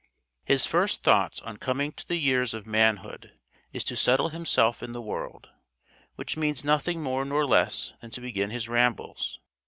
His first thought, on coming to the years of manhood, is to settle himself in the world which means nothing more nor less than to begin his rambles.